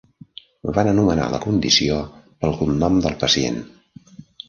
Van anomenar la condició pel cognom del pacient.